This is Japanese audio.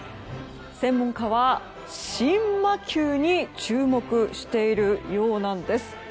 専門家は、新魔球に注目しているようなんです。